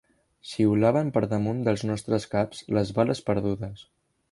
Xiulaven per damunt dels nostres caps les bales perdudes.